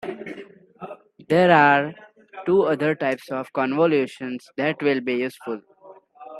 There are two other types of convolutions that will be useful.